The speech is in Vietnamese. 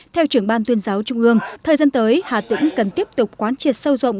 theo trưởng ban tuyên giáo trung ương thời gian tới hà tĩnh cần tiếp tục quán triệt sâu rộng